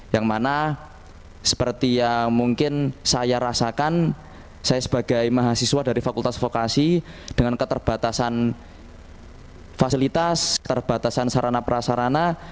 yang mana seperti yang mungkin saya rasakan saya sebagai mahasiswa dari fakultas vokasi dengan keterbatasan fasilitas keterbatasan sarana prasarana